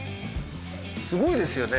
すごいですよね。